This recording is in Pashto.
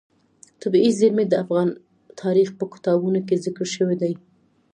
طبیعي زیرمې د افغان تاریخ په کتابونو کې ذکر شوی دي.